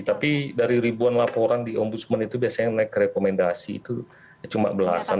tapi dari ribuan laporan di ombudsman itu biasanya naik ke rekomendasi itu cuma belasan